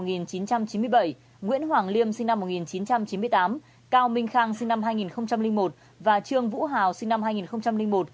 nguyễn hoàng liêm sinh năm một nghìn chín trăm chín mươi tám cao minh khang sinh năm hai nghìn một và trương vũ hào sinh năm hai nghìn một